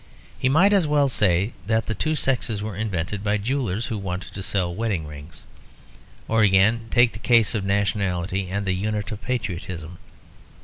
He might as well say that the two sexes were invented by jewellers who wanted to sell wedding rings. Or again, take the case of nationality and the unit of patriotism.